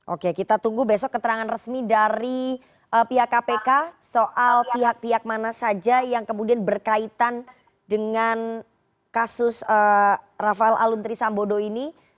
oke kita tunggu besok keterangan resmi dari pihak kpk soal pihak pihak mana saja yang kemudian berkaitan dengan kasus rafael aluntri sambodo ini